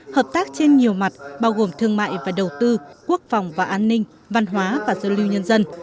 hợp tác trên nhiều mặt bao gồm thương mại và đầu tư quốc phòng và an ninh văn hóa và giao lưu nhân dân